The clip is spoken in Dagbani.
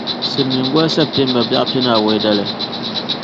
Silimiingoli September bɛɣu pinaawei dali.